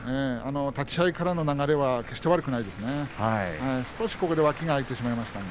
立ち合いから流れは決して悪くありません。